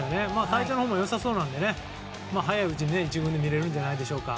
体調も良さそうなので早いうちに１軍で見れるんじゃないでしょうか。